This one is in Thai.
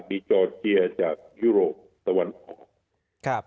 มีจอร์เจียจากยุโรปสวรรค์